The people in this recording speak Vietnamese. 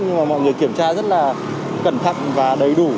nhưng mà mọi người kiểm tra rất là cẩn thận và đầy đủ